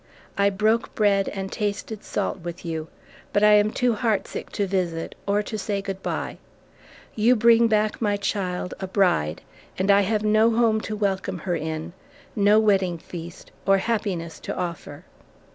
I broke bread and tasted salt with you, but I am too heartsick to visit, or to say good bye. You bring back my child, a bride, and I have no home to welcome her in, no wedding feast, or happiness to offer.